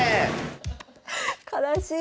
悲しい。